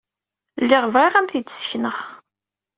Lliɣ bɣiɣ ad am-t-id-ssekneɣ.